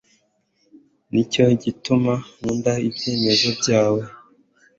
ni cyo gituma nkunda ibyemezo byawe